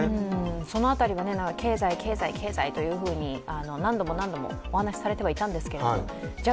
その辺りは経済経済経済というふうに何度もお話されていたんですけれどもじゃあ